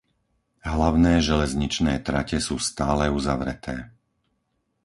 Hlavné železničné trate sú stále uzavreté.